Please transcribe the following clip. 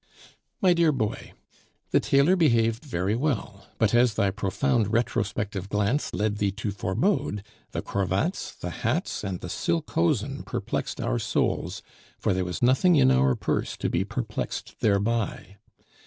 "MY DEAR BOY, The tailor behaved very well; but as thy profound retrospective glance led thee to forbode, the cravats, the hats, and the silk hosen perplexed our souls, for there was nothing in our purse to be perplexed thereby.